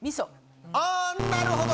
あぁなるほど。